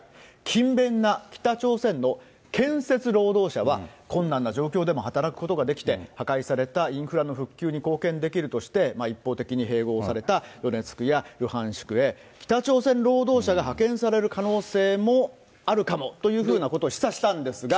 勤勉な北朝鮮の建設労働者は、困難な状況でも働くことができて、破壊されたインフラの復旧に貢献できるとして、一方的に併合されたドネツクやルハンシクへ北朝鮮労働者が派遣される可能性もあるかもというふうなことを示唆したんですが。